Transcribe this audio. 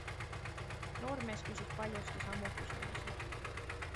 Noormees küsis paljuski samu küsimusi.